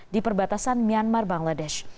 di perbatasan myanmar bangladesh